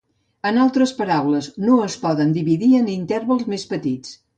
En altres paraules, no es poden dividir en intervals més petits.